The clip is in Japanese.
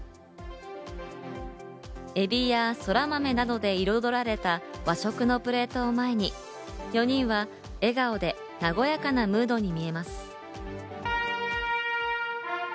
エビや空豆などで彩られた和食のプレートを前に、４人は笑顔で和やかなムードに見えます。